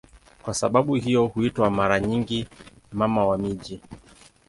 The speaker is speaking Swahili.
Kwa sababu hiyo huitwa mara nyingi "Mama wa miji".